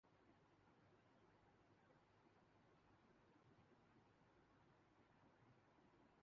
اثاثے کیا چھپانے تھے‘ جس لائق وکیل نے ان کے کاغذات